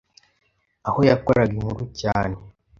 aho yakoraga inkuru cyane